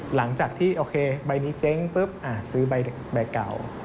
หลังจากที่โอเคใบนี้เจ๊งปุ๊บซื้อใบเก่า